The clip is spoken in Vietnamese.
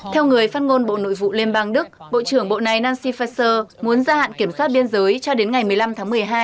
theo người phát ngôn bộ nội vụ liên bang đức bộ trưởng bộ này nancy faeser muốn gia hạn kiểm soát biên giới cho đến ngày một mươi năm tháng một mươi hai